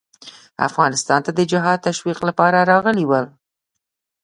افغانستان ته د جهاد تشویق لپاره راغلي ول.